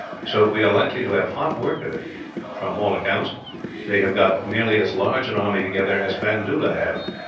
So we are likely to have hot work of it for from all accounts, they have got nearly as large an army together as Bandoola had.